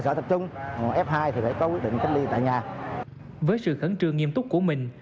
sở tập trung f hai thì phải có quyết định cách ly tại nhà với sự khẩn trường nghiêm túc của mình